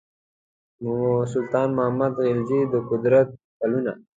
سلطان محمود خلجي د قدرت کلونه.